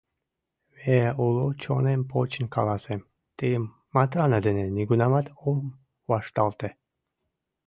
Мый уло чонем почын каласем: тыйым Матрана дене нигунамат ом вашталте.